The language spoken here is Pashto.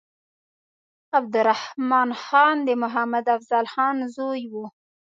عبدالرحمن خان د محمد افضل خان زوی وو.